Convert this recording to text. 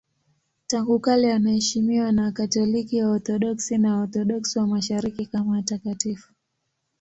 Tangu kale wanaheshimiwa na Wakatoliki, Waorthodoksi na Waorthodoksi wa Mashariki kama watakatifu.